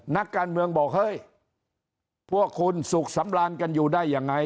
นักการเมืองบอกเฮ้ยพวกคุณสุขสำราญกันอยู่ได้ยังไง